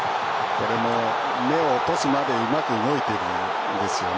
これも目を落とすまでうまく動いているんですよね。